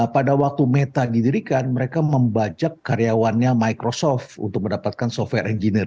pada waktu meta didirikan mereka membajak karyawannya microsoft untuk mendapatkan software engineer